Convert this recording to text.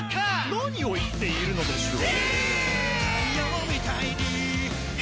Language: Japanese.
何を言っているのでしょう？